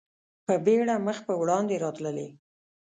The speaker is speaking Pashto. په بېړه مخ په وړاندې راتللې.